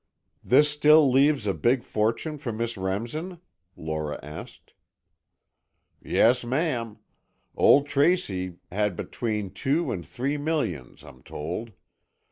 "This still leaves a big fortune for Miss Remsen?" Lora asked. "Yes, ma'am. Old Tracy had between two and three millions, I'm told.